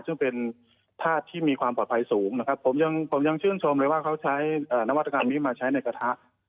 ซึ่งเป็นธาตุที่มีความปลอดภัยสูงนะครับผมยังผมยังชื่นชมเลยว่าเขาใช้นวัตกรรมนี้มาใช้ในกระทะ